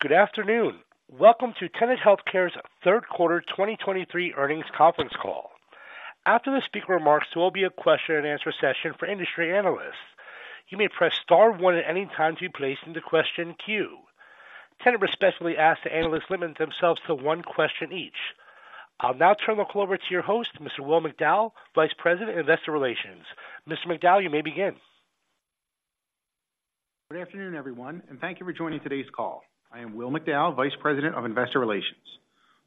Good afternoon. Welcome to Tenet Healthcare's third quarter 2023 earnings conference call. After the speaker remarks, there will be a question and answer session for industry analysts. You may press star one at any time to be placed in the question queue. Tenet respectfully asks the analysts to limit themselves to one question each. I'll now turn the call over to your host, Mr. Will McDowell, Vice President, Investor Relations. Mr. McDowell, you may begin. Good afternoon, everyone, and thank you for joining today's call. I am Will McDowell, Vice President of Investor Relations.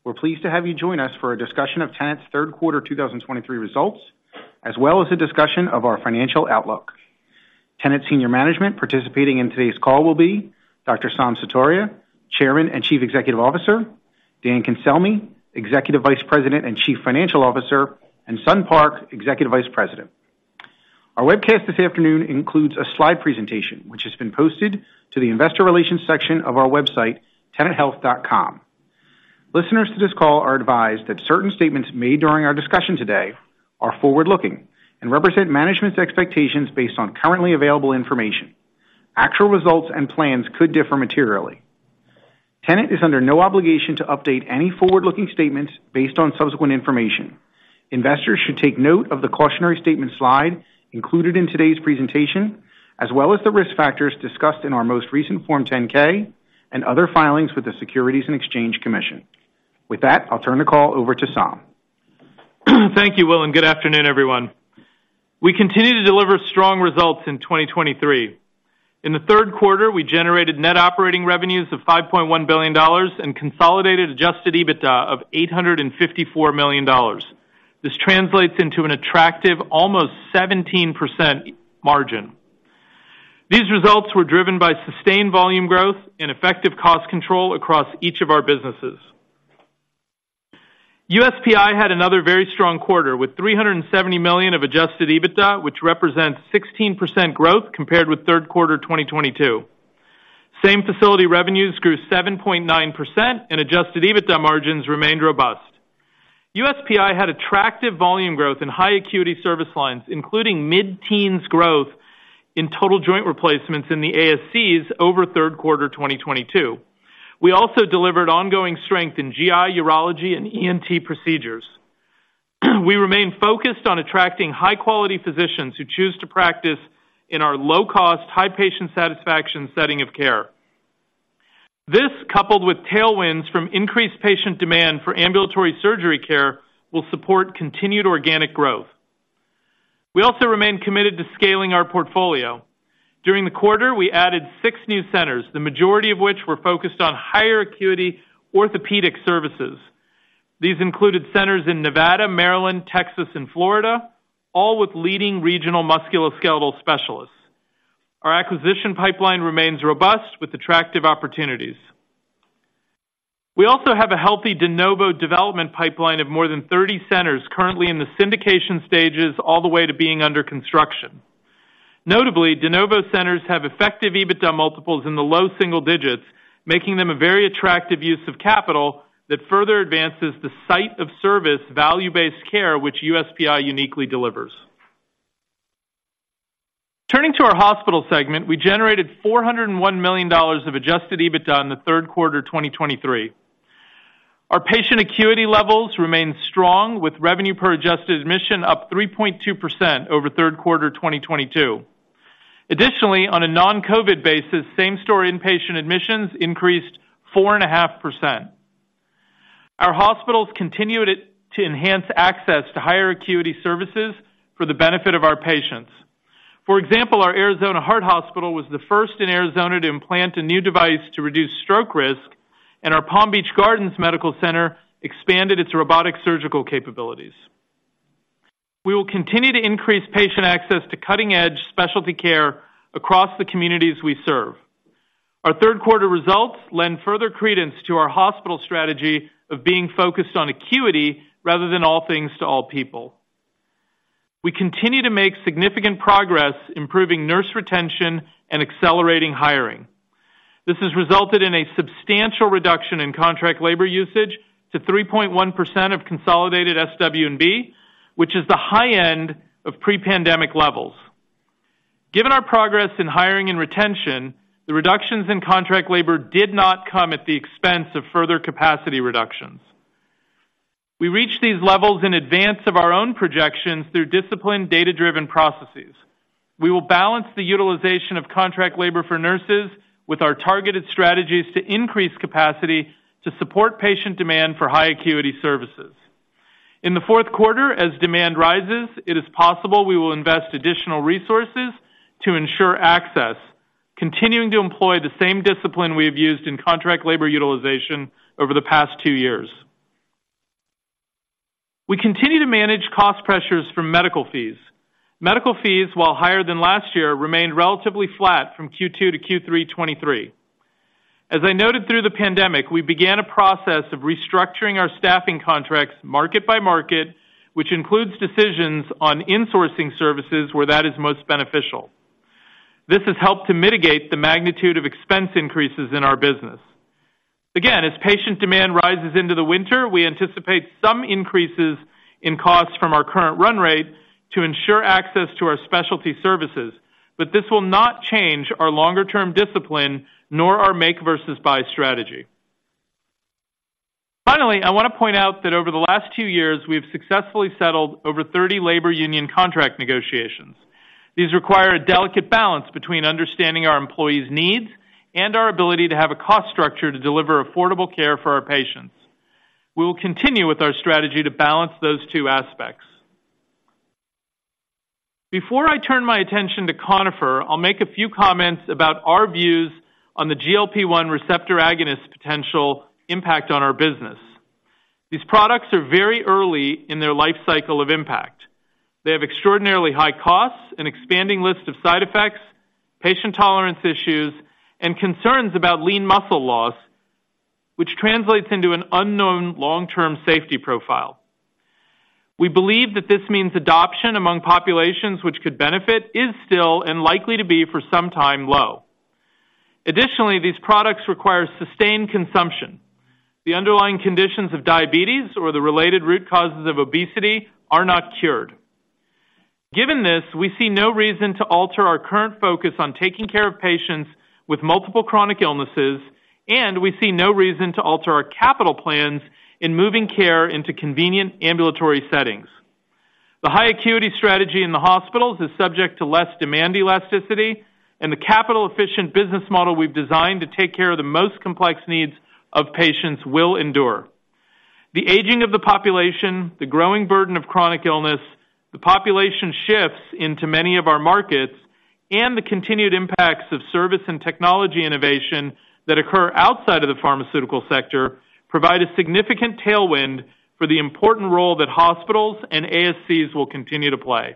We're pleased to have you join us for a discussion of Tenet's third quarter 2023 results, as well as a discussion of our financial outlook. Tenet senior management participating in today's call will be Dr. Saum Sutaria, Chairman and Chief Executive Officer, Dan Cancelmi, Executive Vice President and Chief Financial Officer, and Sun Park, Executive Vice President. Our webcast this afternoon includes a slide presentation, which has been posted to the investor relations section of our website, tenethealth.com. Listeners to this call are advised that certain statements made during our discussion today are forward-looking and represent management's expectations based on currently available information. Actual results and plans could differ materially. Tenet is under no obligation to update any forward-looking statements based on subsequent information. Investors should take note of the cautionary statement slide included in today's presentation, as well as the risk factors discussed in our most recent Form 10-K and other filings with the Securities and Exchange Commission. With that, I'll turn the call over to Saum. Thank you, Will, and good afternoon, everyone. We continue to deliver strong results in 2023. In the third quarter, we generated net operating revenues of $5.1 billion and consolidated adjusted EBITDA of $854 million. This translates into an attractive, almost 17% margin. These results were driven by sustained volume growth and effective cost control across each of our businesses. USPI had another very strong quarter, with $370 million of adjusted EBITDA, which represents 16% growth compared with third quarter 2022. Same-facility revenues grew 7.9%, and adjusted EBITDA margins remained robust. USPI had attractive volume growth in high acuity service lines, including mid-teens growth in total joint replacements in the ASCs over third quarter 2022. We also delivered ongoing strength in GI, urology, and ENT procedures. We remain focused on attracting high-quality physicians who choose to practice in our low-cost, high patient satisfaction setting of care. This, coupled with tailwinds from increased patient demand for ambulatory surgery care, will support continued organic growth. We also remain committed to scaling our portfolio. During the quarter, we added 6 new centers, the majority of which were focused on higher acuity orthopedic services. These included centers in Nevada, Maryland, Texas, and Florida, all with leading regional musculoskeletal specialists. Our acquisition pipeline remains robust with attractive opportunities. We also have a healthy de novo development pipeline of more than 30 centers currently in the syndication stages, all the way to being under construction. Notably, de novo centers have effective EBITDA multiples in the low single digits, making them a very attractive use of capital that further advances the site of service value-based care, which USPI uniquely delivers. Turning to our hospital segment, we generated $401 million of adjusted EBITDA in the third quarter of 2023. Our patient acuity levels remained strong, with revenue per adjusted admission up 3.2% over third quarter 2022. Additionally, on a non-COVID basis, same-store inpatient admissions increased 4.5%. Our hospitals continued to enhance access to higher acuity services for the benefit of our patients. For example, our Arizona Heart Hospital was the first in Arizona to implant a new device to reduce stroke risk, and our Palm Beach Gardens Medical Center expanded its robotic surgical capabilities. We will continue to increase patient access to cutting-edge specialty care across the communities we serve. Our third quarter results lend further credence to our hospital strategy of being focused on acuity rather than all things to all people. We continue to make significant progress, improving nurse retention and accelerating hiring. This has resulted in a substantial reduction in contract labor usage to 3.1% of consolidated SWB, which is the high end of pre-pandemic levels. Given our progress in hiring and retention, the reductions in contract labor did not come at the expense of further capacity reductions. We reached these levels in advance of our own projections through disciplined, data-driven processes. We will balance the utilization of contract labor for nurses with our targeted strategies to increase capacity to support patient demand for high acuity services. In the fourth quarter, as demand rises, it is possible we will invest additional resources to ensure access, continuing to employ the same discipline we have used in contract labor utilization over the past two years. We continue to manage cost pressures from medical fees. Medical fees, while higher than last year, remained relatively flat from Q2 to Q3 2023. As I noted through the pandemic, we began a process of restructuring our staffing contracts market by market, which includes decisions on insourcing services, where that is most beneficial. This has helped to mitigate the magnitude of expense increases in our business. Again, as patient demand rises into the winter, we anticipate some increases in costs from our current run rate to ensure access to our specialty services, but this will not change our longer-term discipline, nor our make versus buy strategy. Finally, I want to point out that over the last two years, we've successfully settled over 30 labor union contract negotiations. These require a delicate balance between understanding our employees' needs and our ability to have a cost structure to deliver affordable care for our patients. We will continue with our strategy to balance those two aspects. Before I turn my attention to Conifer, I'll make a few comments about our views on the GLP-1 receptor agonist potential impact on our business. These products are very early in their life cycle of impact. They have extraordinarily high costs, an expanding list of side effects, patient tolerance issues, and concerns about lean muscle loss, which translates into an unknown long-term safety profile. We believe that this means adoption among populations which could benefit, is still, and likely to be for some time, low. Additionally, these products require sustained consumption. The underlying conditions of diabetes or the related root causes of obesity are not cured. Given this, we see no reason to alter our current focus on taking care of patients with multiple chronic illnesses, and we see no reason to alter our capital plans in moving care into convenient ambulatory settings. The high acuity strategy in the hospitals is subject to less demand elasticity, and the capital-efficient business model we've designed to take care of the most complex needs of patients will endure. The aging of the population, the growing burden of chronic illness, the population shifts into many of our markets, and the continued impacts of service and technology innovation that occur outside of the pharmaceutical sector, provide a significant tailwind for the important role that hospitals and ASCs will continue to play.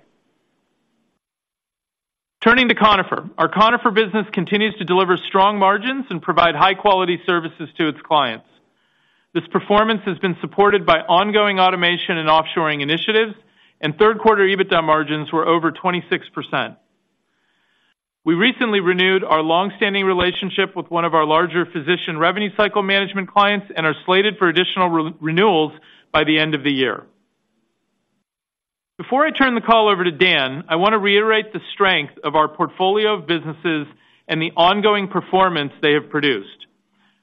Turning to Conifer. Our Conifer business continues to deliver strong margins and provide high-quality services to its clients. This performance has been supported by ongoing automation and offshoring initiatives, and third quarter EBITDA margins were over 26%. We recently renewed our long-standing relationship with one of our larger physician revenue cycle management clients and are slated for additional renewals by the end of the year. Before I turn the call over to Dan, I want to reiterate the strength of our portfolio of businesses and the ongoing performance they have produced.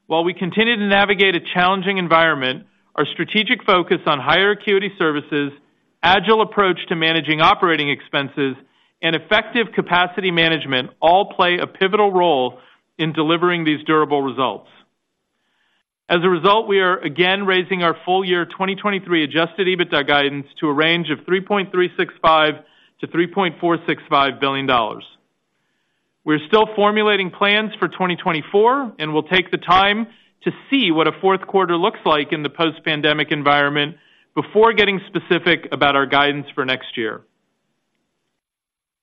While we continue to navigate a challenging environment, our strategic focus on higher acuity services, agile approach to managing operating expenses, and effective capacity management all play a pivotal role in delivering these durable results. As a result, we are again raising our full year 2023 adjusted EBITDA guidance to a range of $3.365 billion-$3.465 billion. We're still formulating plans for 2024, and we'll take the time to see what a fourth quarter looks like in the post-pandemic environment before getting specific about our guidance for next year.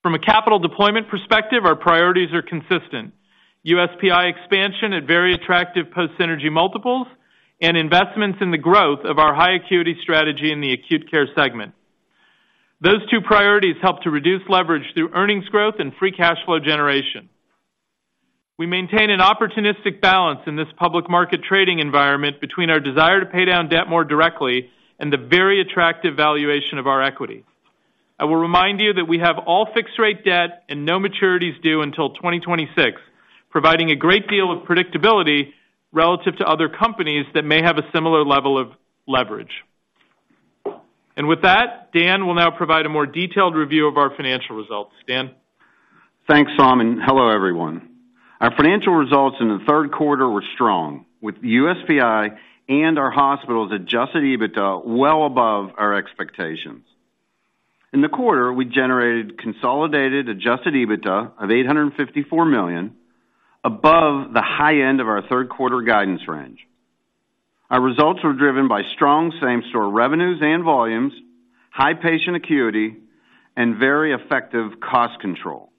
From a capital deployment perspective, our priorities are consistent. USPI expansion at very attractive post-synergy multiples and investments in the growth of our high acuity strategy in the acute care segment. Those two priorities help to reduce leverage through earnings growth and free cash flow generation. We maintain an opportunistic balance in this public market trading environment between our desire to pay down debt more directly and the very attractive valuation of our equity. I will remind you that we have all fixed rate debt and no maturities due until 2026, providing a great deal of predictability relative to other companies that may have a similar level of leverage. With that, Dan will now provide a more detailed review of our financial results. Dan? Thanks, Saum, and hello, everyone. Our financial results in the third quarter were strong, with USPI and our hospitals adjusted EBITDA well above our expectations. In the quarter, we generated consolidated adjusted EBITDA of $854 million, above the high end of our third quarter guidance range. Our results were driven by strong same-store revenues and volumes, high patient acuity, and very effective cost control.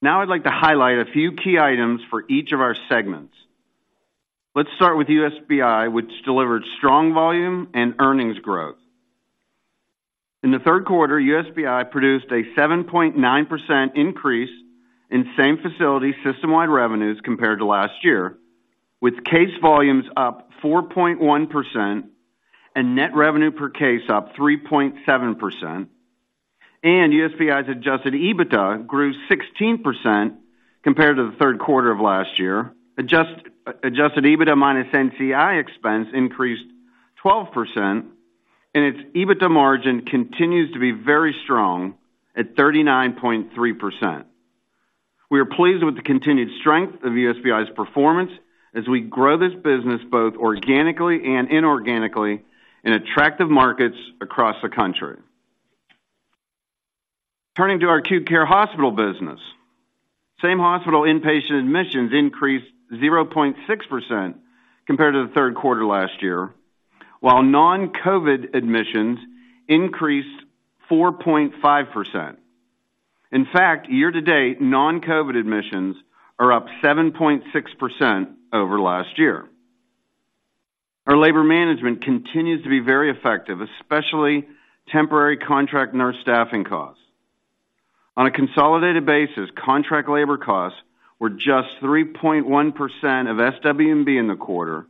Now, I'd like to highlight a few key items for each of our segments. Let's start with USPI, which delivered strong volume and earnings growth. In the third quarter, USPI produced a 7.9% increase in same-facility, system-wide revenues compared to last year, with case volumes up 4.1% and net revenue per case up 3.7%, and USPI's adjusted EBITDA grew 16% compared to the third quarter of last year. Adjusted EBITDA minus NCI expense increased 12%, and its EBITDA margin continues to be very strong at 39.3%. We are pleased with the continued strength of USPI's performance as we grow this business, both organically and inorganically, in attractive markets across the country. Turning to our acute care hospital business, same hospital inpatient admissions increased 0.6% compared to the third quarter last year, while non-COVID admissions increased 4.5%. In fact, year-to-date, non-COVID admissions are up 7.6% over last year. Our labor management continues to be very effective, especially temporary contract nurse staffing costs. On a consolidated basis, contract labor costs were just 3.1% of SWB in the quarter,...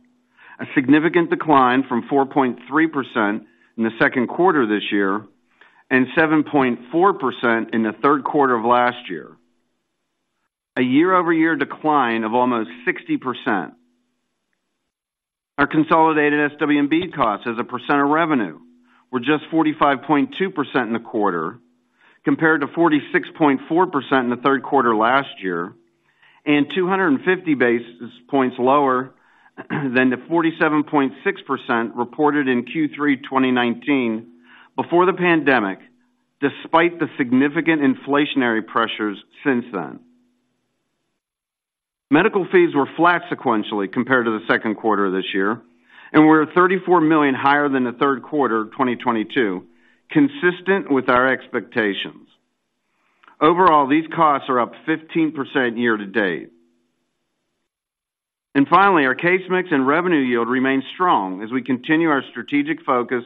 A significant decline from 4.3% in the second quarter this year, and 7.4% in the third quarter of last year. A year-over-year decline of almost 60%. Our consolidated SW&B costs as a percent of revenue were just 45.2% in the quarter, compared to 46.4% in the third quarter last year, and 250 basis points lower than the 47.6% reported in Q3 2019 before the pandemic, despite the significant inflationary pressures since then. Medical fees were flat sequentially compared to the second quarter of this year, and were $34 million higher than the third quarter of 2022, consistent with our expectations. Overall, these costs are up 15% year-to-date. Finally, our case mix and revenue yield remains strong as we continue our strategic focus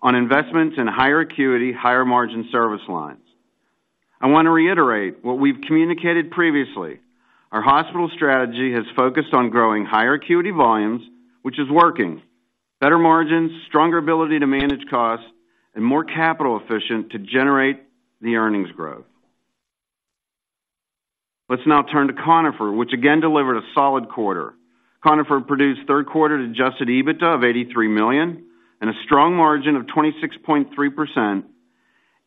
on investments in higher acuity, higher margin service lines. I want to reiterate what we've communicated previously. Our hospital strategy has focused on growing higher acuity volumes, which is working. Better margins, stronger ability to manage costs, and more capital efficient to generate the earnings growth. Let's now turn to Conifer, which again delivered a solid quarter. Conifer produced third quarter Adjusted EBITDA of $83 million and a strong margin of 26.3%,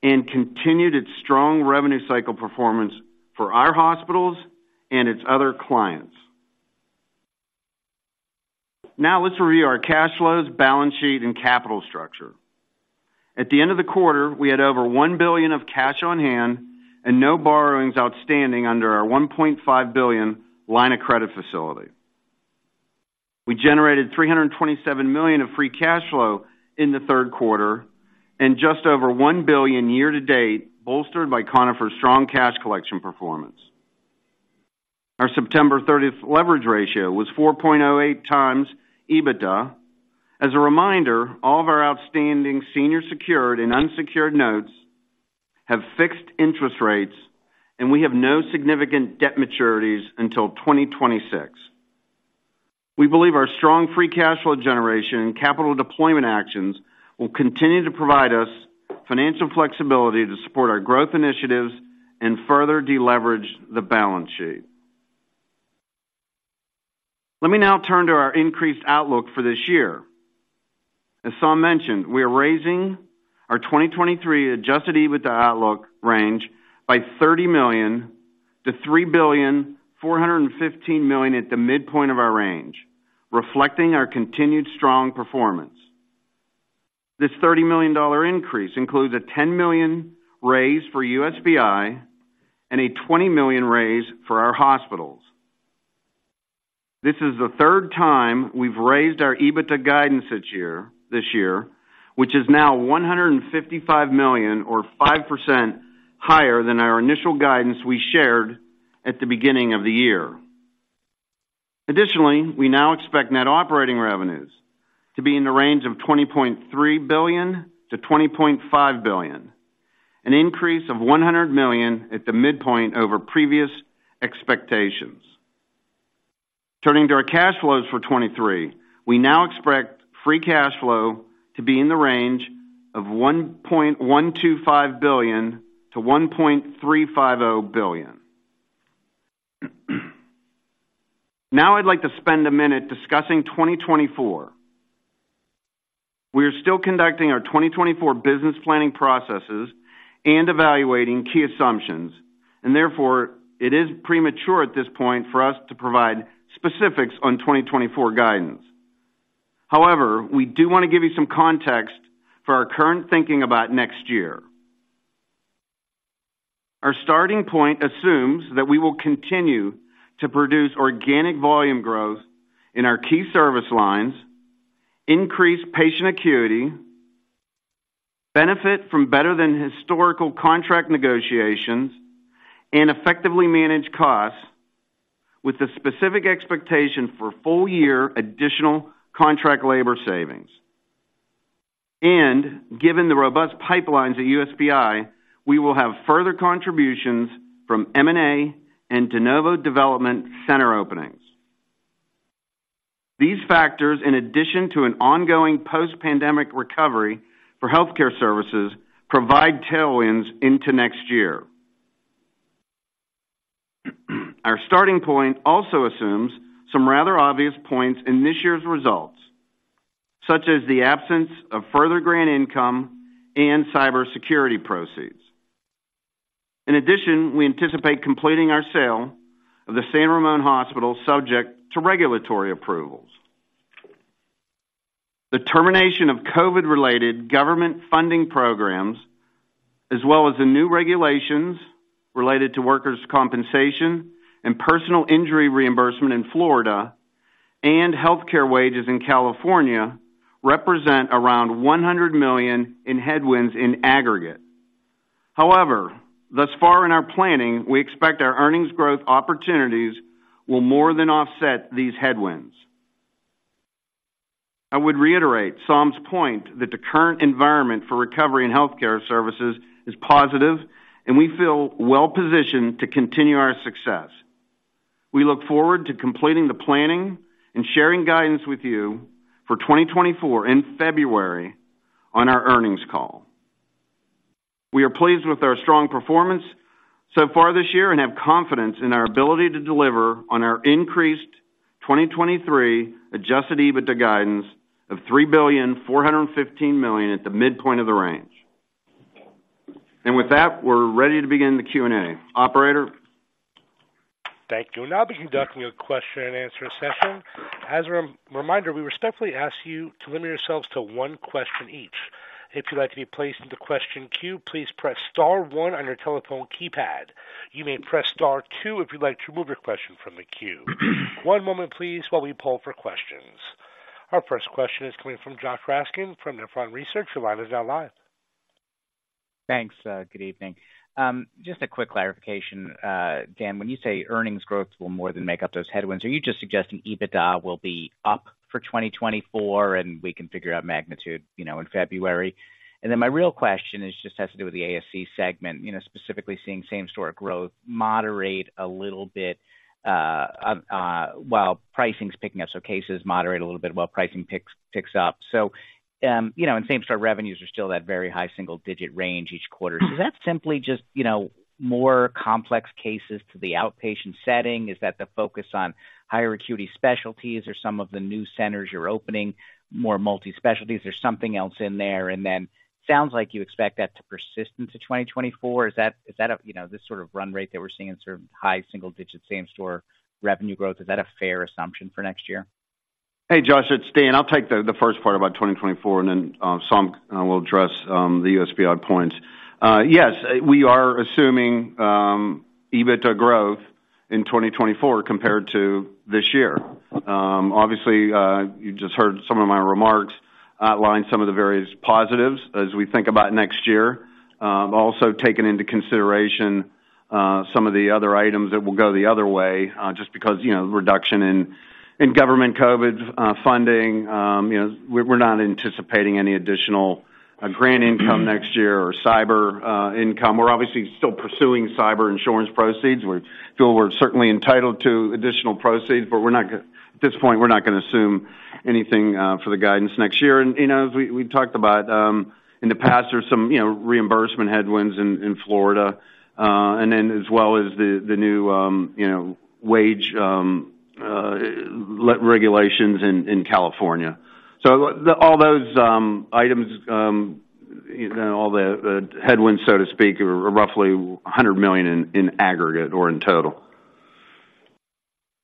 and continued its strong revenue cycle performance for our hospitals and its other clients. Now, let's review our cash flows, balance sheet, and capital structure. At the end of the quarter, we had over $1 billion of cash on hand and no borrowings outstanding under our $1.5 billion line of credit facility. We generated $327 million of free cash flow in the third quarter, and just over $1 billion year-to-date, bolstered by Conifer's strong cash collection performance. Our September 30th leverage ratio was 4.08x EBITDA. As a reminder, all of our outstanding senior secured and unsecured notes have fixed interest rates, and we have no significant debt maturities until 2026. We believe our strong free cash flow generation and capital deployment actions will continue to provide us financial flexibility to support our growth initiatives and further deleverage the balance sheet. Let me now turn to our increased outlook for this year. As Saum mentioned, we are raising our 2023 adjusted EBITDA outlook range by $30 million to $3.415 billion at the midpoint of our range, reflecting our continued strong performance. This $30 million increase includes a $10 million raise for USPI and a $20 million raise for our hospitals. This is the third time we've raised our EBITDA guidance this year, which is now $155 million or 5% higher than our initial guidance we shared at the beginning of the year. Additionally, we now expect net operating revenues to be in the range of $20.3 billion-$20.5 billion, an increase of $100 million at the midpoint over previous expectations. Turning to our cash flows for 2023, we now expect free cash flow to be in the range of $1.125 billion-$1.35 billion. Now, I'd like to spend a minute discussing 2024. We are still conducting our 2024 business planning processes and evaluating key assumptions, and therefore, it is premature at this point for us to provide specifics on 2024 guidance. However, we do want to give you some context for our current thinking about next year. Our starting point assumes that we will continue to produce organic volume growth in our key service lines, increase patient acuity, benefit from better than historical contract negotiations, and effectively manage costs with the specific expectation for full-year additional contract labor savings. Given the robust pipelines at USPI, we will have further contributions from M&A and de novo development center openings. These factors, in addition to an ongoing post-pandemic recovery for healthcare services, provide tailwinds into next year. Our starting point also assumes some rather obvious points in this year's results, such as the absence of further grant income and cybersecurity proceeds. In addition, we anticipate completing our sale of the San Ramon Hospital, subject to regulatory approvals. The termination of COVID-related government funding programs, as well as the new regulations related to workers' compensation and personal injury reimbursement in Florida and healthcare wages in California, represent around $100 million in headwinds in aggregate. However, thus far in our planning, we expect our earnings growth opportunities will more than offset these headwinds. I would reiterate Saum's point that the current environment for recovery and healthcare services is positive, and we feel well-positioned to continue our success. We look forward to completing the planning and sharing guidance with you for 2024 in February on our earnings call. We are pleased with our strong performance so far this year and have confidence in our ability to deliver on our increased 2023 Adjusted EBITDA guidance of $3.415 billion at the midpoint of the range. With that, we're ready to begin the Q&A. Operator? Thank you. We'll now be conducting a question-and-answer session. As a reminder, we respectfully ask you to limit yourselves to one question each. If you'd like to be placed in the question queue, please press star one on your telephone keypad. You may press star two if you'd like to remove your question from the queue. One moment, please, while we poll for questions. Our first question is coming from Josh Raskin from Nephron Research. Your line is now live. Thanks, good evening. Just a quick clarification, Dan, when you say earnings growth will more than make up those headwinds, are you just suggesting EBITDA will be up for 2024, and we can figure out magnitude, you know, in February? And then my real question is, just has to do with the ASC segment, you know, specifically seeing same-store growth moderate a little bit, while pricing's picking up. So cases moderate a little bit while pricing picks up. So, you know, and same-store revenues are still that very high single-digit range each quarter. Is that simply just, you know, more complex cases to the outpatient setting? Is that the focus on higher acuity specialties or some of the new centers you're opening, more multi-specialties or something else in there? And then, sounds like you expect that to persist into 2024. Is that a, you know, this sort of run rate that we're seeing in sort of high single-digit, same-store revenue growth, is that a fair assumption for next year? Hey, Josh, it's Dan. I'll take the first part about 2024, and then, Saum, will address the USPI points. Yes, we are assuming EBITDA growth in 2024 compared to this year. Obviously, you just heard some of my remarks outline some of the various positives as we think about next year. Also taking into consideration some of the other items that will go the other way, just because, you know, reduction in government COVID funding, you know, we're not anticipating any additional grant income next year or cyber income. We're obviously still pursuing cyber insurance proceeds. We feel we're certainly entitled to additional proceeds, but we're not gonna at this point, we're not gonna assume anything for the guidance next year. You know, as we talked about in the past, there's some you know reimbursement headwinds in Florida, and then as well as the new you know wage regulations in California. So all those items you know all the headwinds, so to speak, are roughly $100 million in aggregate or in total.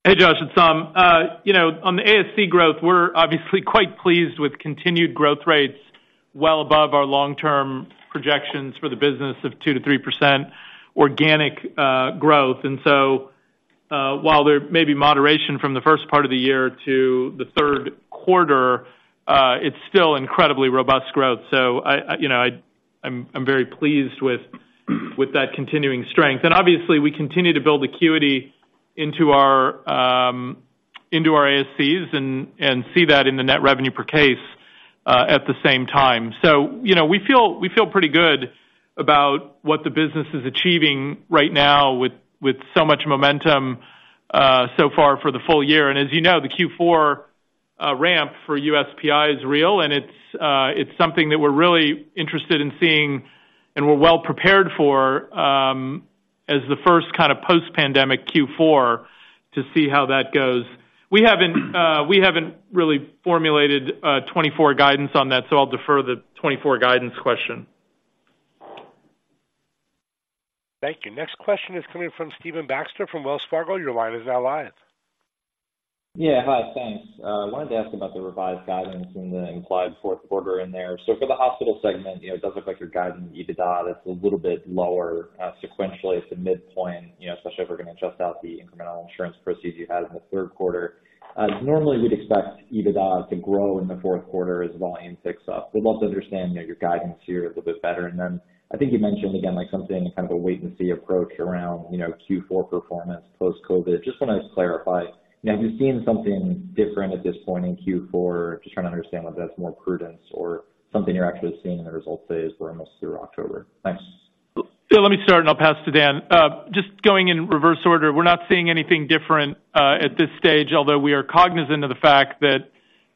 Hey, Josh, it's Saum. You know, on the ASC growth, we're obviously quite pleased with continued growth rates well above our long-term projections for the business of 2%-3% organic growth. And so, while there may be moderation from the first part of the year to the third quarter, it's still incredibly robust growth. So, you know, I'm very pleased with that continuing strength. And obviously, we continue to build acuity into our ASCs and see that in the net revenue per case, at the same time. So, you know, we feel pretty good about what the business is achieving right now with so much momentum, so far for the full year. As you know, the Q4 ramp for USPI is real, and it's something that we're really interested in seeing and we're well prepared for, as the first kind of post-pandemic Q4 to see how that goes. We haven't really formulated 2024 guidance on that, so I'll defer the 2024 guidance question. Thank you. Next question is coming from Stephen Baxter from Wells Fargo. Your line is now live. Yeah. Hi, thanks. I wanted to ask about the revised guidance and the implied fourth quarter in there. So for the hospital segment, you know, it does look like your guidance, EBITDA, that's a little bit lower. Sequentially, it's a midpoint, you know, especially if we're gonna adjust out the incremental insurance proceeds you had in the third quarter. Normally, we'd expect EBITDA to grow in the fourth quarter as volume picks up. We'd love to understand, you know, your guidance here a little bit better. And then, I think you mentioned again, like something, kind of a wait-and-see approach around, you know, Q4 performance post-COVID. Just wanna clarify, have you seen something different at this point in Q4? Just trying to understand whether that's more prudence or something you're actually seeing in the results phase. We're almost through October. Thanks. Yeah, let me start, and I'll pass to Dan. Just going in reverse order, we're not seeing anything different at this stage, although we are cognizant of the fact that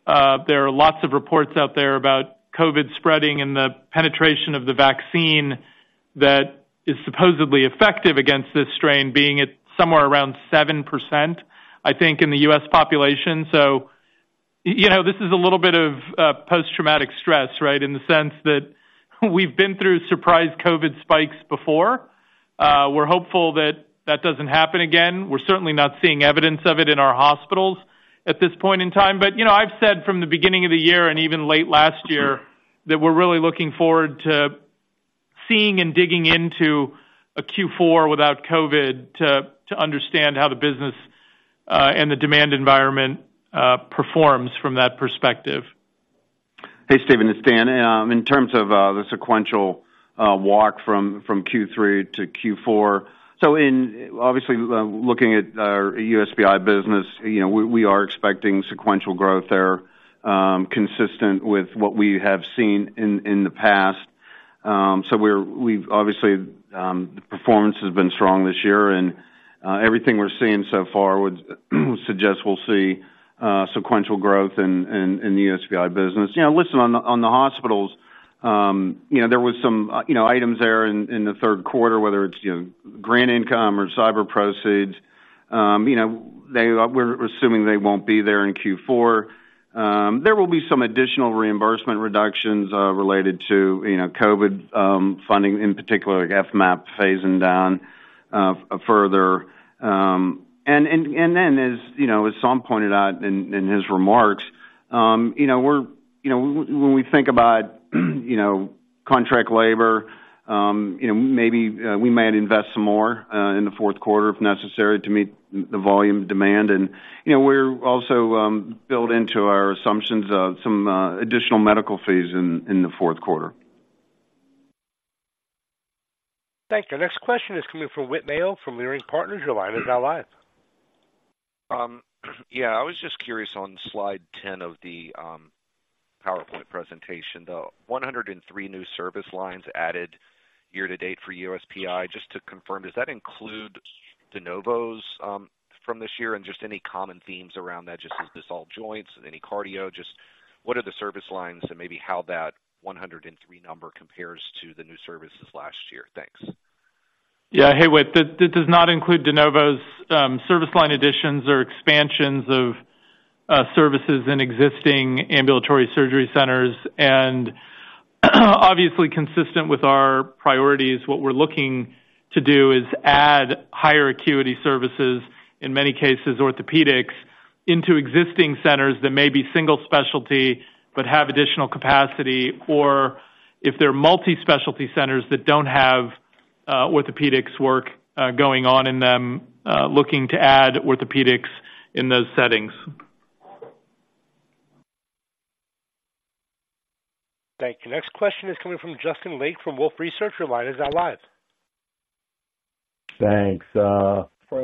there are lots of reports out there about COVID spreading and the penetration of the vaccine that is supposedly effective against this strain, being at somewhere around 7%, I think, in the U.S. population. So, you know, this is a little bit of post-traumatic stress, right? In the sense that we've been through surprise COVID spikes before. We're hopeful that that doesn't happen again. We're certainly not seeing evidence of it in our hospitals at this point in time. But, you know, I've said from the beginning of the year and even late last year, that we're really looking forward to seeing and digging into a Q4 without COVID to understand how the business and the demand environment performs from that perspective.... Hey, Stephen, it's Dan. In terms of the sequential walk from Q3 to Q4, so obviously looking at our USPI business, you know, we are expecting sequential growth there, consistent with what we have seen in the past. So we've obviously the performance has been strong this year, and everything we're seeing so far would suggest we'll see sequential growth in the USPI business. You know, listen, on the hospitals, you know, there was some items there in the third quarter, whether it's grant income or cyber proceeds. You know, they – we're assuming they won't be there in Q4. There will be some additional reimbursement reductions related to COVID funding, in particular, like FMAP phasing down further. And then, as you know, as Saum pointed out in his remarks, you know, we're you know when we think about you know contract labor, you know, maybe we might invest some more in the fourth quarter, if necessary, to meet the volume demand. And, you know, we're also build into our assumptions of some additional medical fees in the fourth quarter. Thank you. Next question is coming from Whit Mayo from Leerink Partners. Your line is now live. Yeah, I was just curious on slide 10 of the PowerPoint presentation, the 103 new service lines added year to date for USPI. Just to confirm, does that include de novos from this year? And just any common themes around that, just is this all joints, any cardio? Just what are the service lines and maybe how that 103 number compares to the new services last year? Thanks. Yeah. Hey, Whit, that this does not include de novos, service line additions or expansions of, services in existing ambulatory surgery centers. Obviously, consistent with our priorities, what we're looking to do is add higher acuity services, in many cases, orthopedics, into existing centers that may be single specialty, but have additional capacity, or if they're multi-specialty centers that don't have, orthopedics work, going on in them, looking to add orthopedics in those settings. Thank you. Next question is coming from Justin Lake from Wolfe Research. Your line is now live. Thanks.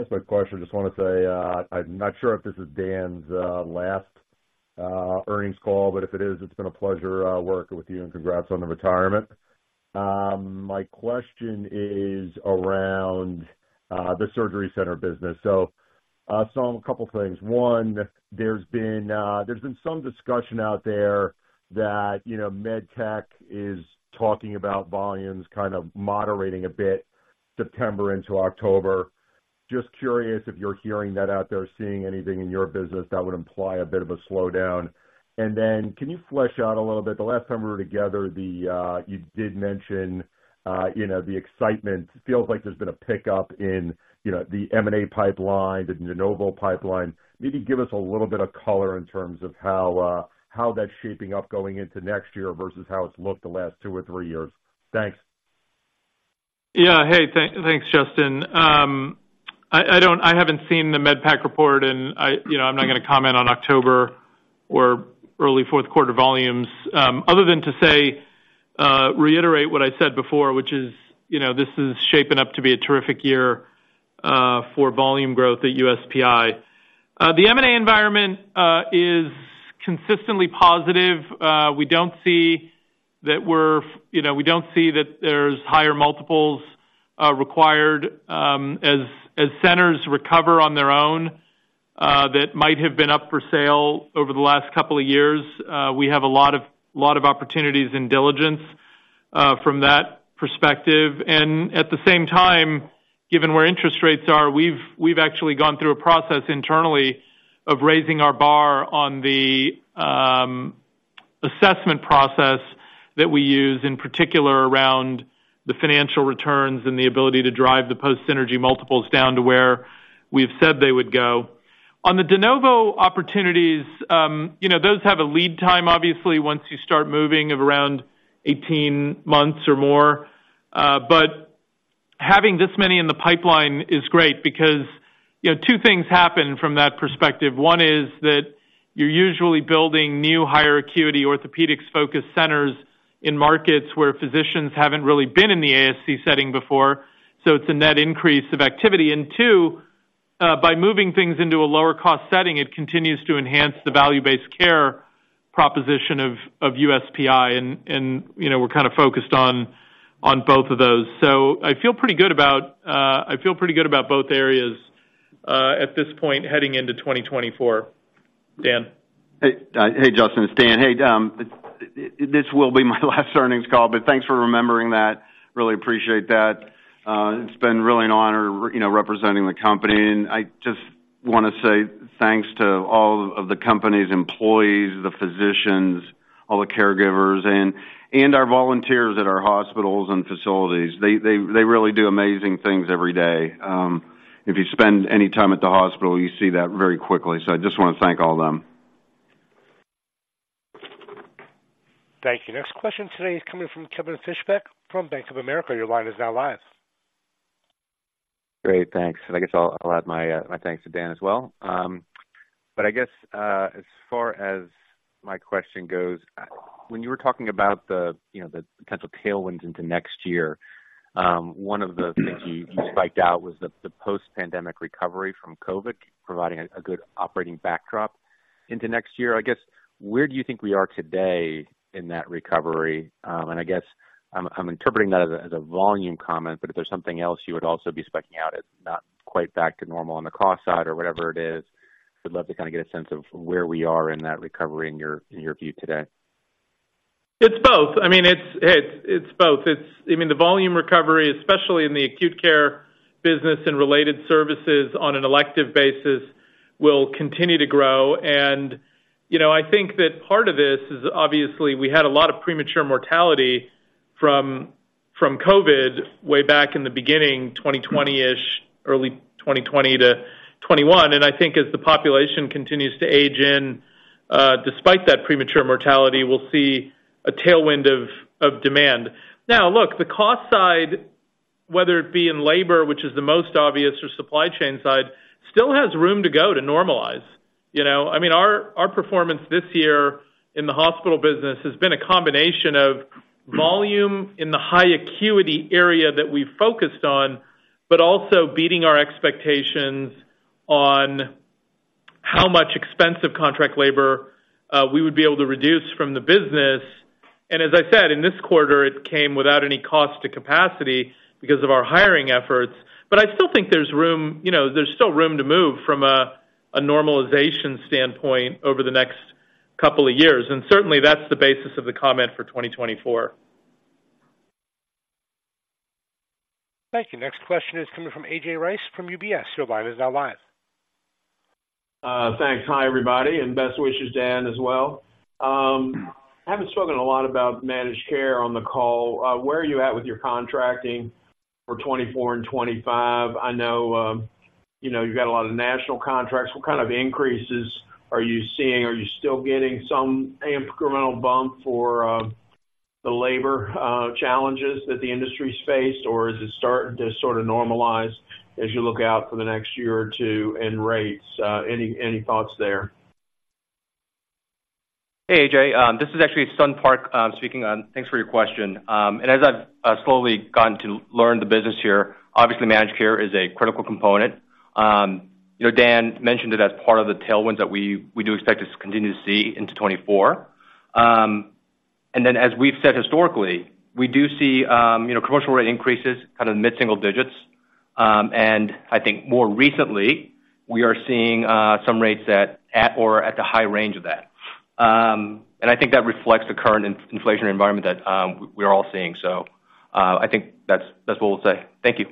Quick question. Just wanna say, I'm not sure if this is Dan's last earnings call, but if it is, it's been a pleasure working with you, and congrats on the retirement. My question is around the surgery center business. So, Saum, a couple things. One, there's been some discussion out there that, you know, med tech is talking about volumes kind of moderating a bit, September into October. Just curious if you're hearing that out there, seeing anything in your business that would imply a bit of a slowdown. And then, can you flesh out a little bit, the last time we were together, you did mention, you know, the excitement. Feels like there's been a pickup in, you know, the M&A pipeline, the de novo pipeline. Maybe give us a little bit of color in terms of how that's shaping up going into next year versus how it's looked the last two or three years. Thanks. Yeah. Hey, thanks, Justin. I haven't seen the MedPAC report, and, you know, I'm not gonna comment on October or early fourth quarter volumes, other than to say, reiterate what I said before, which is, you know, this is shaping up to be a terrific year for volume growth at USPI. The M&A environment is consistently positive. We don't see that we're, you know, we don't see that there's higher multiples required, as centers recover on their own, that might have been up for sale over the last couple of years. We have a lot of opportunities in diligence, from that perspective. And at the same time, given where interest rates are, we've actually gone through a process internally of raising our bar on the assessment process that we use, in particular, around the financial returns and the ability to drive the post synergy multiples down to where we've said they would go. On the de novo opportunities, you know, those have a lead time, obviously, once you start moving of around 18 months or more. But having this many in the pipeline is great because, you know, two things happen from that perspective. One is that you're usually building new, higher acuity, orthopedics-focused centers in markets where physicians haven't really been in the ASC setting before, so it's a net increase of activity. And two, by moving things into a lower cost setting, it continues to enhance the value-based care proposition of USPI, and, you know, we're kind of focused on both of those. So I feel pretty good about both areas at this point, heading into 2024. Dan? Hey, hey, Justin, it's Dan. Hey, this will be my last earnings call, but thanks for remembering that. Really appreciate that. It's been really an honor, you know, representing the company. And I just wanna say thanks to all of the company's employees, the physicians, all the caregivers, and our volunteers at our hospitals and facilities. They really do amazing things every day. If you spend any time at the hospital, you see that very quickly. So I just wanna thank all of them. Thank you. Next question today is coming from Kevin Fischbeck from Bank of America. Your line is now live.... Great, thanks. I guess I'll add my thanks to Dan as well. But I guess, as far as my question goes, when you were talking about the, you know, the potential tailwinds into next year, one of the things you called out was the post-pandemic recovery from COVID, providing a good operating backdrop into next year. I guess, where do you think we are today in that recovery? And I guess I'm interpreting that as a volume comment, but if there's something else you would also be calling out as not quite back to normal on the cost side or whatever it is, I'd love to kind of get a sense of where we are in that recovery in your view today. It's both. I mean, it's both. It's, I mean, the volume recovery, especially in the acute care business and related services on an elective basis, will continue to grow. And, you know, I think that part of this is, obviously, we had a lot of premature mortality from COVID way back in the beginning, 2020-ish, early 2020 to 2021, and I think as the population continues to age, despite that premature mortality, we'll see a tailwind of demand. Now, look, the cost side, whether it be in labor, which is the most obvious, or supply chain side, still has room to go to normalize. You know, I mean, our performance this year in the hospital business has been a combination of volume in the high acuity area that we focused on, but also beating our expectations on how much expensive contract labor we would be able to reduce from the business. And as I said, in this quarter, it came without any cost to capacity because of our hiring efforts. But I still think there's room, you know, there's still room to move from a normalization standpoint over the next couple of years, and certainly, that's the basis of the comment for 2024. Thank you. Next question is coming from A.J. Rice from UBS. Your line is now live. Thanks. Hi, everybody, and best wishes, Dan, as well. Haven't spoken a lot about managed care on the call. Where are you at with your contracting for 2024 and 2025? I know, you know, you've got a lot of national contracts. What kind of increases are you seeing? Are you still getting some incremental bump for the labor challenges that the industry's faced, or is it starting to sort of normalize as you look out for the next year or two in rates? Any thoughts there? Hey, A.J., this is actually Sun Park speaking on. Thanks for your question. And as I've slowly gotten to learn the business here, obviously, managed care is a critical component. You know, Dan mentioned it as part of the tailwinds that we do expect to continue to see into 2024. And then, as we've said historically, we do see, you know, commercial rate increases kind of mid-single digits. And I think more recently, we are seeing some rates that at or at the high range of that. And I think that reflects the current inflationary environment that we're all seeing. So, I think that's what we'll say. Thank you.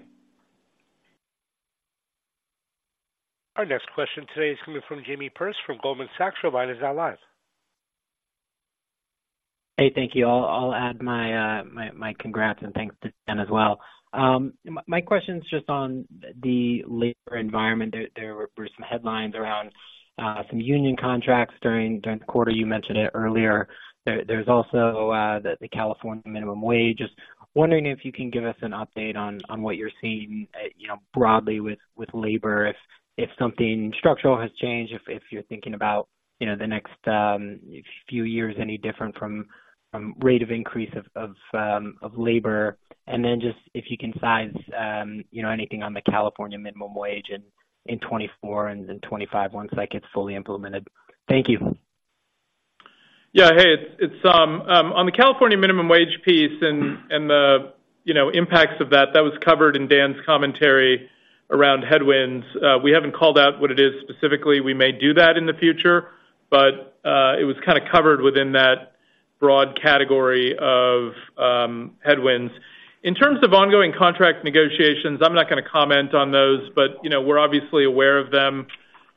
Our next question today is coming from Jamie Perse from Goldman Sachs. Your line is now live. Hey, thank you. I'll add my congrats and thanks to Dan as well. My question is just on the labor environment. There were some headlines around some union contracts during the quarter. You mentioned it earlier. There's also the California minimum wage. Just wondering if you can give us an update on what you're seeing, you know, broadly with labor, if something structural has changed, if you're thinking about, you know, the next few years, any different from rate of increase of labor. And then just if you can size, you know, anything on the California minimum wage in 2024 and then 2025, once that gets fully implemented. Thank you. Yeah. Hey, it's on the California minimum wage piece and the, you know, impacts of that, that was covered in Dan's commentary around headwinds. We haven't called out what it is specifically. We may do that in the future, but it was kind of covered within that broad category of headwinds. In terms of ongoing contract negotiations, I'm not gonna comment on those, but, you know, we're obviously aware of them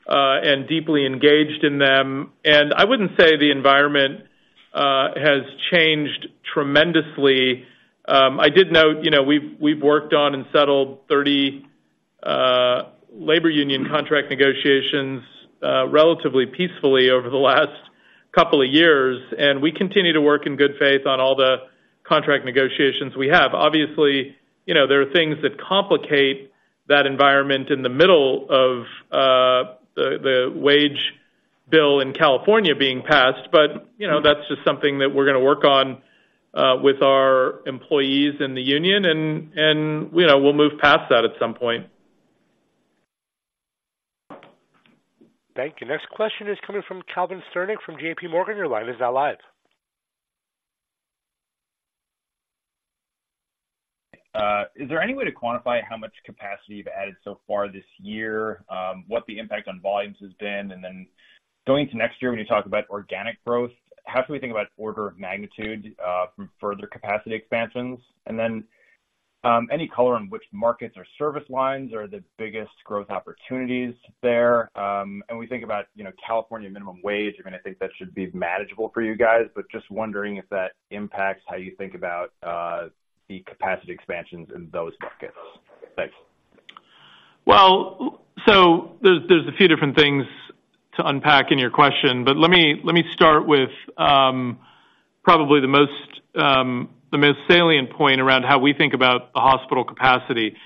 and deeply engaged in them. And I wouldn't say the environment has changed tremendously. I did note, you know, we've worked on and settled 30 labor union contract negotiations relatively peacefully over the last couple of years, and we continue to work in good faith on all the contract negotiations we have. Obviously, you know, there are things that complicate that environment in the middle of the wage bill in California being passed, but, you know, that's just something that we're gonna work on with our employees in the union and, you know, we'll move past that at some point. Thank you. Next question is coming from Calvin Sternick from JP Morgan. Your line is now live. Is there any way to quantify how much capacity you've added so far this year? What the impact on volumes has been? And then going to next year when you talk about organic growth, how should we think about order of magnitude from further capacity expansions? And then any color on which markets or service lines are the biggest growth opportunities there? And when we think about California minimum wage, I mean, I think that should be manageable for you guys, but just wondering if that impacts how you think about the capacity expansions in those buckets? Thanks. Well, so there's a few different things to unpack in your question, but let me start with probably the most salient point around how we think about the hospital capacity.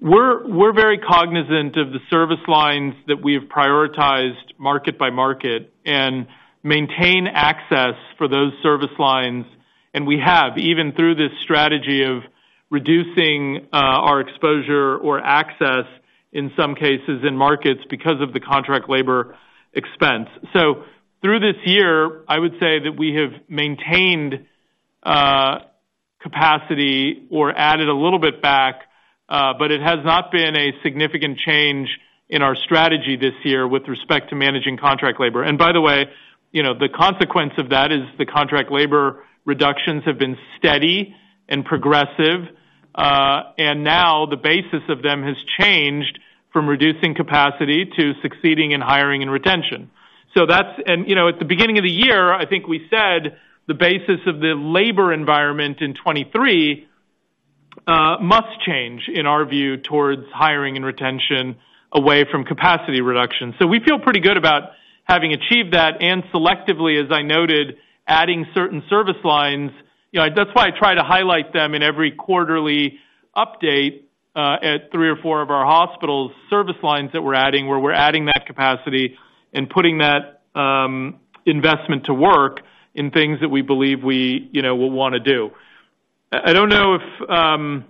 We're very cognizant of the service lines that we have prioritized market by market and maintain access for those service lines, and we have even through this strategy of reducing our exposure or access in some cases in markets because of the contract labor expense. So through this year, I would say that we have maintained capacity or added a little bit back, but it has not been a significant change in our strategy this year with respect to managing contract labor. And by the way, you know, the consequence of that is the contract labor reductions have been steady and progressive, and now the basis of them has changed from reducing capacity to succeeding in hiring and retention. So that's and, you know, at the beginning of the year, I think we said the basis of the labor environment in 2023 must change, in our view, towards hiring and retention, away from capacity reduction. So we feel pretty good about having achieved that and selectively, as I noted, adding certain service lines. You know, that's why I try to highlight them in every quarterly update, at three or four of our hospitals, service lines that we're adding, where we're adding that capacity and putting that investment to work in things that we believe we, you know, will wanna do. I don't know if...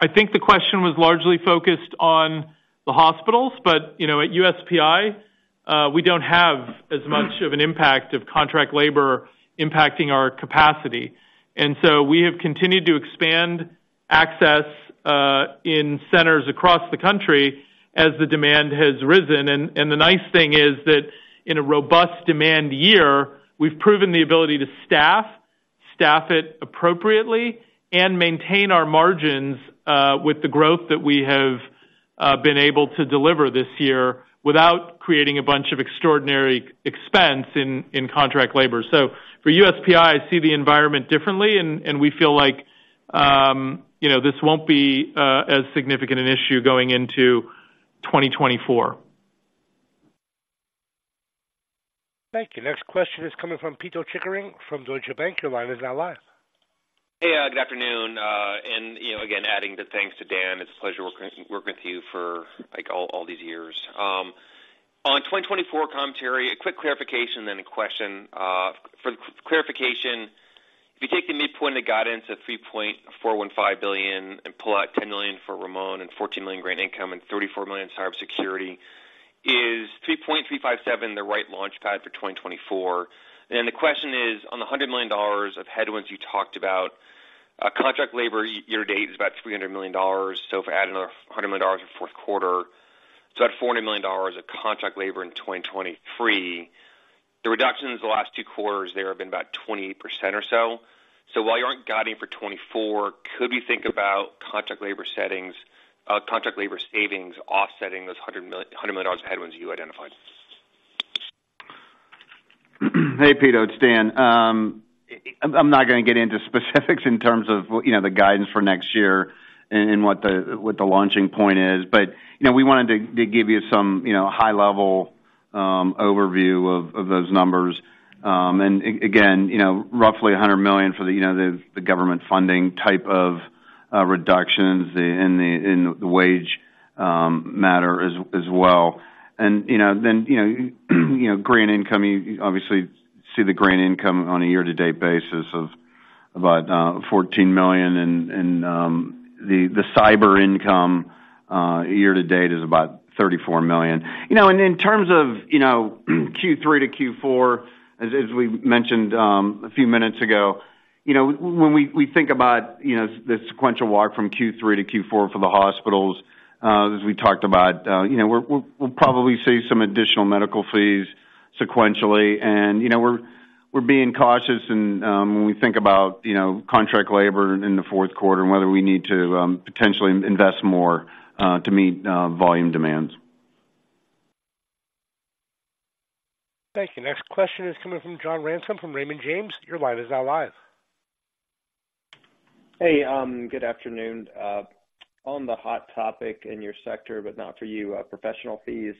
I think the question was largely focused on the hospitals, but, you know, at USPI, we don't have as much of an impact of contract labor impacting our capacity, and so we have continued to expand access, in centers across the country as the demand has risen. And, the nice thing is that in a robust demand year, we've proven the ability to staff it appropriately and maintain our margins, with the growth that we have been able to deliver this year, without creating a bunch of extraordinary expense in contract labor. So for USPI, I see the environment differently and, we feel like, you know, this won't be, as significant an issue going into 2024. Thank you. Next question is coming from Pito Chickering from Deutsche Bank. Your line is now live. Hey, good afternoon, and, you know, again, adding the thanks to Dan. It's a pleasure working with you for, like, all these years. On 2024 commentary, a quick clarification, then a question. For the clarification, if you take the midpoint of the guidance at $3.415 billion and pull out $10 million for Ramon and $14 million grant income and $34 million cyber security, is $3.357 billion the right launchpad for 2024? And then the question is, on the $100 million of headwinds you talked about, contract labor year to date is about $300 million. So if I add another $100 million in the fourth quarter, it's about $400 million of contract labor in 2023. The reductions the last two quarters there have been about 28% or so. While you aren't guiding for 2024, could we think about contract labor settings, contract labor savings offsetting those $100 million headwinds you identified? Hey, Peter, it's Dan. I'm not gonna get into specifics in terms of, you know, the guidance for next year and, and what the, what the launching point is. But, you know, we wanted to, to give you some, you know, high level, overview of, of those numbers. And again, you know, roughly $100 million for the, you know, the, the government funding type of, reductions in the, in the wage, matter as well. And, you know, then, you know, you know, grant income, you obviously see the grant income on a year to date basis of about, $14 million and, and, the, the cyber income, year to date is about $34 million. You know, and in terms of, you know, Q3 to Q4, as we mentioned a few minutes ago, you know, when we think about, you know, the sequential walk from Q3 to Q4 for the hospitals, as we talked about, you know, we'll probably see some additional medical fees sequentially. And, you know, we're being cautious and, when we think about, you know, contract labor in the fourth quarter and whether we need to potentially invest more to meet volume demands. Thank you. Next question is coming from John Ransom from Raymond James. Your line is now live. Hey, good afternoon. On the hot topic in your sector, but not for you, professional fees,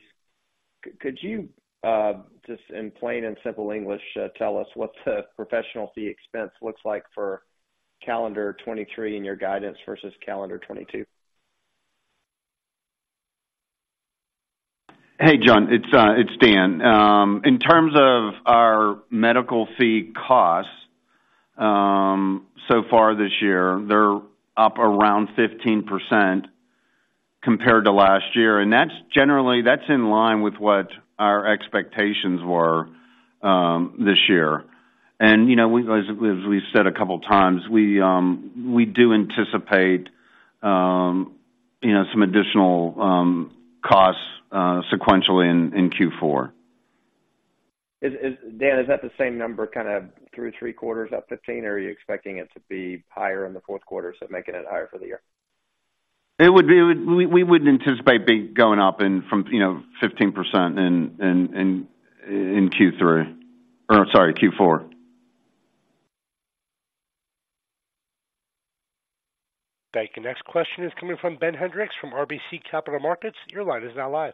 could you just in plain and simple English tell us what the professional fee expense looks like for calendar 2023 and your guidance versus calendar 2022? Hey, John, it's Dan. In terms of our medical fee costs, so far this year, they're up around 15% compared to last year, and that's generally, that's in line with what our expectations were this year. And, you know, as we said a couple of times, we do anticipate, you know, some additional costs sequentially in Q4. Dan, is that the same number, kind of three quarters up 15, or are you expecting it to be higher in the fourth quarter, so making it higher for the year? It would, we would anticipate going up from, you know, 15% in Q4. Thank you. Next question is coming from Ben Hendrix from RBC Capital Markets. Your line is now live.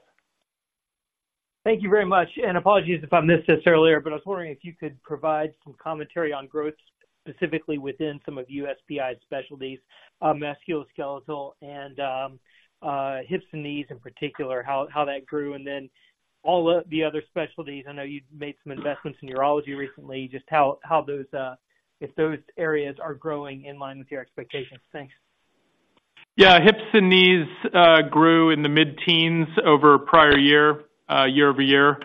Thank you very much, and apologies if I missed this earlier, but I was wondering if you could provide some commentary on growth, specifically within some of USPI specialties, musculoskeletal and hips and knees in particular, how that grew, and then all of the other specialties. I know you've made some investments in urology recently. Just how those, if those areas are growing in line with your expectations? Thanks. Yeah. Hips and knees grew in the mid-teens over prior year year-over-year.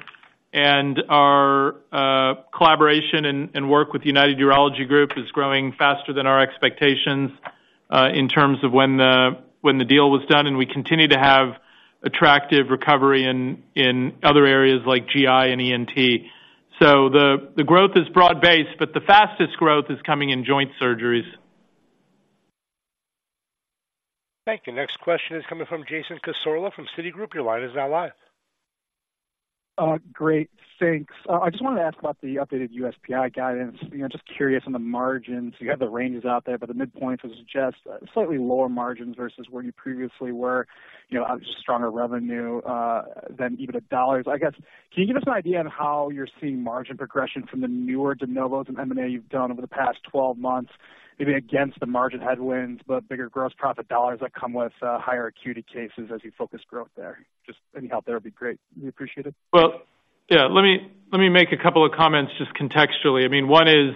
And our collaboration and work with the United Urology Group is growing faster than our expectations in terms of when the deal was done, and we continue to have attractive recovery in other areas like GI and ENT. So the growth is broad-based, but the fastest growth is coming in joint surgeries. Thank you. Next question is coming from Jason Cassorla from Citigroup. Your line is now live. Great, thanks. I just wanted to ask about the updated USPI guidance. You know, just curious on the margins. You have the ranges out there, but the midpoint would suggest slightly lower margins versus where you previously were. You know, just stronger revenue than even the dollars. I guess, can you give us an idea on how you're seeing margin progression from the newer de novos and M&A you've done over the past 12 months, maybe against the margin headwinds, but bigger gross profit dollars that come with higher acuity cases as you focus growth there? Just any help there would be great. We appreciate it. Well, yeah. Let me, let me make a couple of comments just contextually. I mean, one is,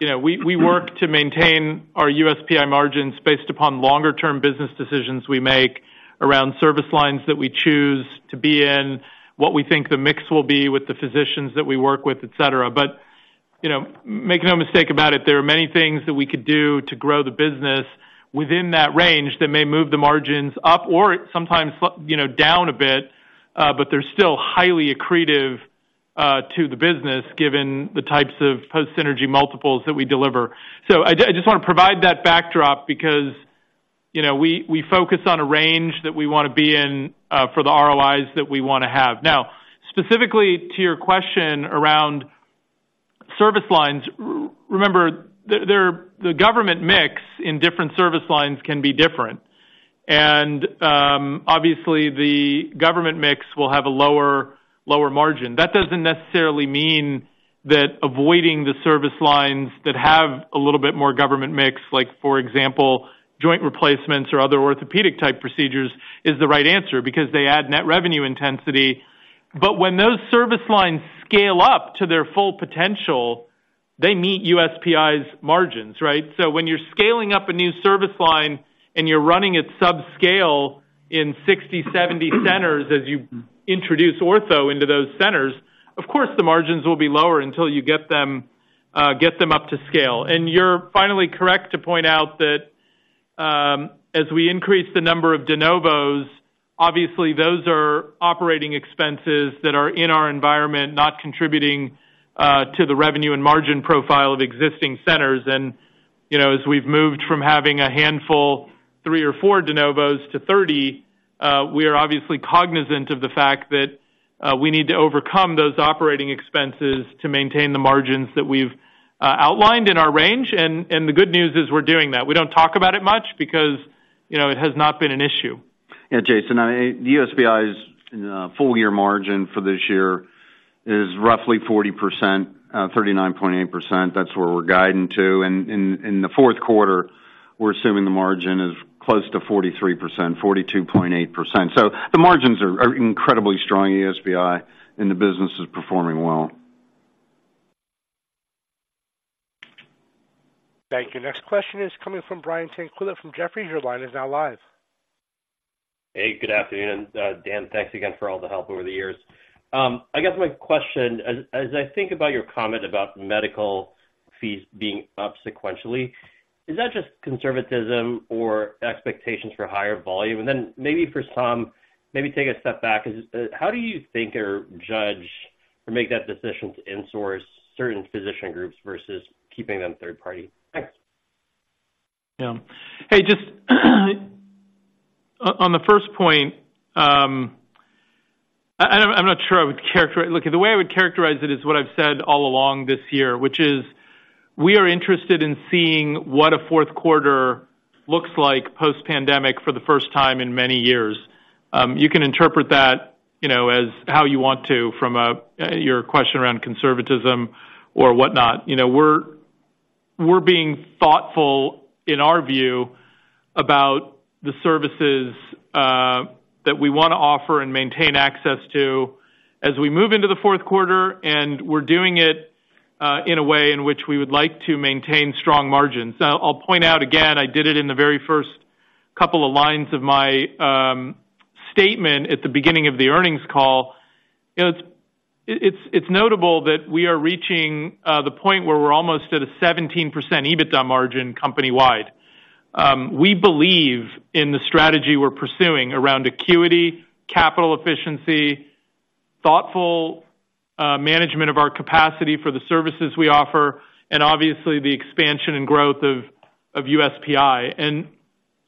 you know, we, we work to maintain our USPI margins based upon longer term business decisions we make around service lines that we choose to be in, what we think the mix will be with the physicians that we work with, et cetera. But, you know, make no mistake about it, there are many things that we could do to grow the business within that range that may move the margins up or sometimes, you know, down a bit, but they're still highly accretive, to the business, given the types of post-synergy multiples that we deliver. So I I just wanna provide that backdrop because, you know, we, we focus on a range that we wanna be in, for the ROIs that we wanna have. Now, specifically to your question around service lines, remember, the government mix in different service lines can be different. Obviously, the government mix will have a lower, lower margin. That doesn't necessarily mean that avoiding the service lines that have a little bit more government mix, like, for example, joint replacements or other orthopedic-type procedures, is the right answer, because they add net revenue intensity. But when those service lines scale up to their full potential, they meet USPI's margins, right? So when you're scaling up a new service line and you're running it subscale in 60, 70 centers as you introduce ortho into those centers, of course, the margins will be lower until you get them up to scale. You're finally correct to point out that, as we increase the number of de novos, obviously, those are operating expenses that are in our environment, not contributing to the revenue and margin profile of existing centers. You know, as we've moved from having a handful, 3 or 4 de novos to 30, we are obviously cognizant of the fact that we need to overcome those operating expenses to maintain the margins that we've outlined in our range. And the good news is we're doing that. We don't talk about it much because, you know, it has not been an issue. Yeah, Jason, the USPI's full year margin for this year is roughly 40%, 39.8%. That's where we're guiding to. In the fourth quarter, we're assuming the margin is close to 43%, 42.8%. So the margins are incredibly strong in USPI, and the business is performing well. Thank you. Next question is coming from Brian Tanquilut from Jefferies. Your line is now live. Hey, good afternoon, Dan, thanks again for all the help over the years. I guess my question, as I think about your comment about medical fees being up sequentially, is that just conservatism or expectations for higher volume? And then maybe for some, maybe take a step back, how do you think or judge or make that decision to insource certain physician groups versus keeping them third party? Thanks. Yeah. Hey, just on the first point, I'm not sure I would characterize... Look, the way I would characterize it is what I've said all along this year, which is: we are interested in seeing what a fourth quarter looks like post-pandemic for the first time in many years. You can interpret that, you know, as how you want to, from a your question around conservatism or whatnot. You know, we're being thoughtful, in our view, about the services that we wanna offer and maintain access to as we move into the fourth quarter, and we're doing it in a way in which we would like to maintain strong margins. I'll point out again, I did it in the very first couple of lines of my statement at the beginning of the earnings call. You know, it's notable that we are reaching the point where we're almost at a 17% EBITDA margin company-wide. We believe in the strategy we're pursuing around acuity, capital efficiency, thoughtful management of our capacity for the services we offer, and obviously, the expansion and growth of USPI.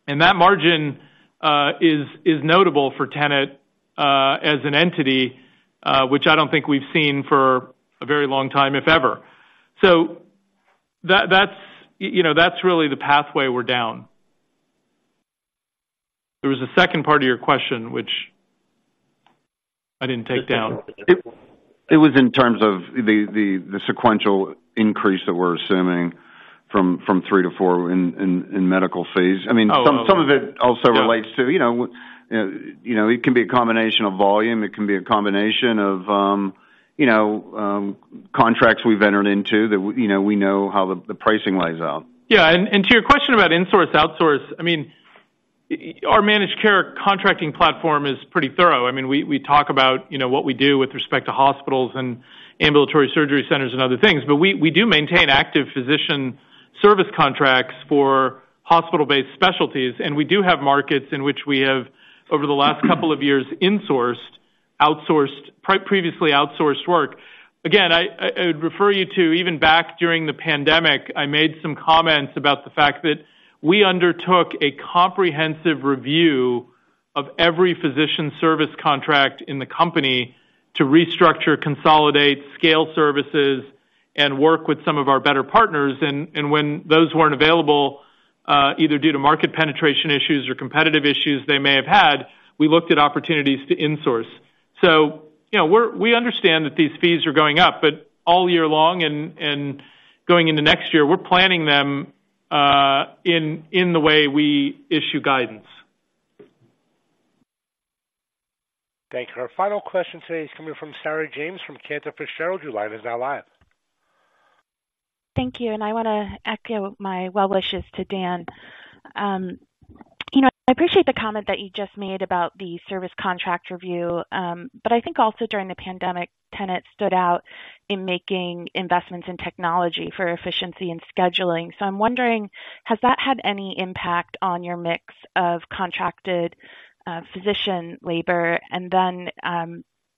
And that margin is notable for Tenet as an entity, which I don't think we've seen for a very long time, if ever. So that's, you know, that's really the pathway we're down. There was a second part of your question, which I didn't take down. It was in terms of the sequential increase that we're assuming from three to four in medical fees. I mean- Oh. Some of it also relates to, you know, you know, it can be a combination of volume. It can be a combination of, you know, contracts we've entered into that you know, we know how the pricing lays out. Yeah, and to your question about insource, outsource, I mean, our managed care contracting platform is pretty thorough. I mean, we talk about, you know, what we do with respect to hospitals and ambulatory surgery centers and other things. But we do maintain active physician service contracts for hospital-based specialties, and we do have markets in which we have, over the last couple of years, insourced, outsourced, previously outsourced work. Again, I would refer you to even back during the pandemic, I made some comments about the fact that we undertook a comprehensive review of every physician service contract in the company to restructure, consolidate, scale services, and work with some of our better partners. And when those weren't available, either due to market penetration issues or competitive issues they may have had, we looked at opportunities to insource. So, you know, we understand that these fees are going up, but all year long and going into next year, we're planning them in the way we issue guidance. Thank you. Our final question today is coming from Sarah James from Cantor Fitzgerald. Your line is now live. Thank you, and I wanna echo my well wishes to Dan. You know, I appreciate the comment that you just made about the service contract review, but I think also during the pandemic, Tenet stood out in making investments in technology for efficiency and scheduling. So I'm wondering, has that had any impact on your mix of contracted physician labor? And then,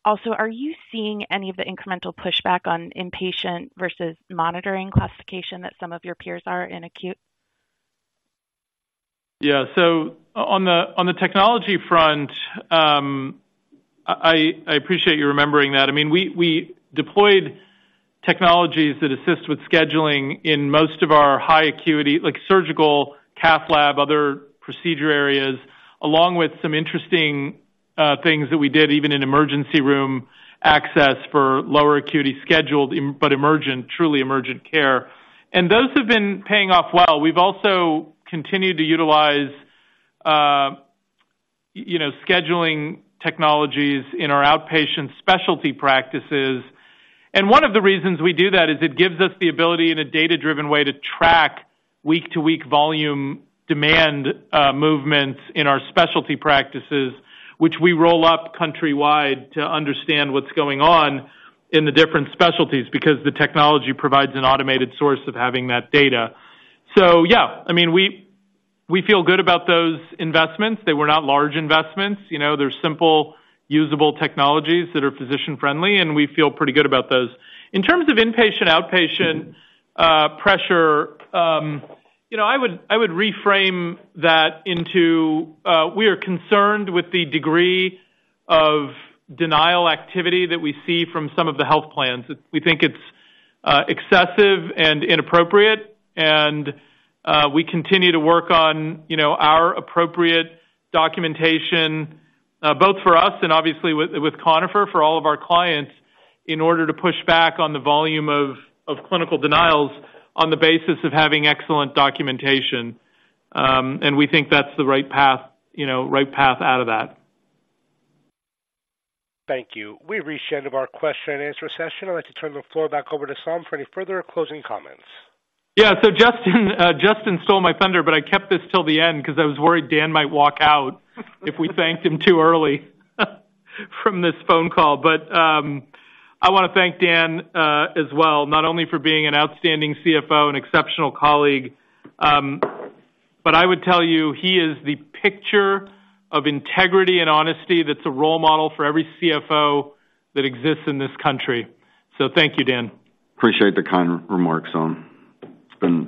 also, are you seeing any of the incremental pushback on inpatient versus monitoring classification that some of your peers are in acute? Yeah. So on the technology front, I appreciate you remembering that. I mean, we deployed technologies that assist with scheduling in most of our high acuity, like surgical, cath lab, other procedure areas, along with some interesting things that we did, even in emergency room access for lower acuity scheduled, but emergent, truly emergent care. And those have been paying off well. We've also continued to utilize, you know, scheduling technologies in our outpatient specialty practices. And one of the reasons we do that is it gives us the ability, in a data-driven way, to track week-to-week volume demand movements in our specialty practices, which we roll up countrywide to understand what's going on in the different specialties, because the technology provides an automated source of having that data. So yeah, I mean, we feel good about those investments. They were not large investments. You know, they're simple, usable technologies that are physician-friendly, and we feel pretty good about those. In terms of inpatient, outpatient, pressure, you know, I would, I would reframe that into, we are concerned with the degree of denial activity that we see from some of the health plans. We think it's, excessive and inappropriate, and, we continue to work on, you know, our appropriate documentation, both for us and obviously with, with Conifer, for all of our clients, in order to push back on the volume of, of clinical denials on the basis of having excellent documentation. And we think that's the right path, you know, right path out of that. Thank you. We've reached the end of our question and answer session. I'd like to turn the floor back over to Saum for any further closing comments. Yeah, so Justin, Justin stole my thunder, but I kept this till the end because I was worried Dan might walk out if we thanked him too early from this phone call. But, I wanna thank Dan, as well, not only for being an outstanding CFO and exceptional colleague, but I would tell you, he is the picture of integrity and honesty that's a role model for every CFO that exists in this country. So thank you, Dan. Appreciate the kind remarks, Saum. It's been- All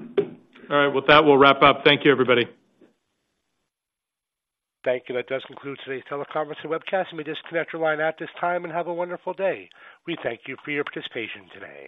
right, with that, we'll wrap up. Thank you, everybody. Thank you. That does conclude today's teleconference and webcast. You may disconnect your line at this time, and have a wonderful day. We thank you for your participation today.